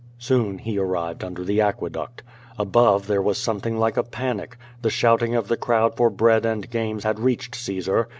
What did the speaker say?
Soon he arrived under the aqueduct. Above there was something like a panic. The shouting of the crowd for bread and games had reached Caesar.